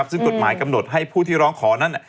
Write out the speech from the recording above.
ซึ่งกฎหมายกำหนดให้ผู้ที่ร้องขอนั้น